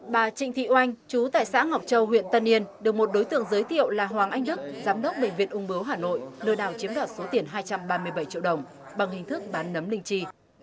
bà trịnh thị oanh chú tại xã ngọc châu huyện tân yên được một đối tượng giới thiệu là hoàng anh đức giám đốc bệnh viện ung bướu hà nội lừa đảo chiếm đoạt số tiền hai trăm ba mươi bảy triệu đồng bằng hình thức bán nấm linh chi